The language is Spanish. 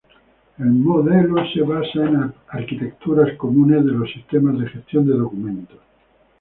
El modelo se basa en arquitecturas comunes de los sistemas de gestión de documentos.